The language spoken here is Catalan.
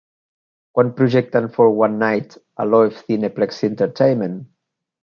Quan projecten For One Night a Loews Cineplex Entertainment?